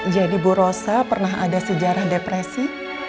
jadi bu rosa pernah ada sejarah depresi